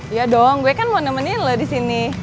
iya dong gue kan mau nemenin lo disini